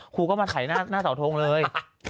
ครูก็มาถ่ายหน้าเสาทงเลย